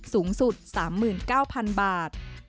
สูงสุด๓๙๐๐๐บาท